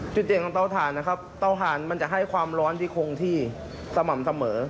จุดเด่นของเตาถ่านนะครับเตาถ่านมันจะให้ความร้อนที่คงที่สม่ำเสมอ